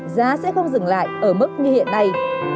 giá sẽ không dừng lại ở mức như hiện nay